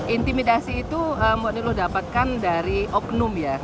intimidasi itu mbok milo dapatkan dari oknum ya